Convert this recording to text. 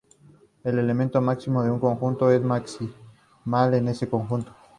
El elemento máximo de un conjunto es maximal en ese conjunto.